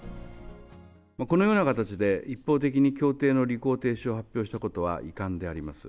このような形で、一方的に協定の履行停止を発表したことは遺憾であります。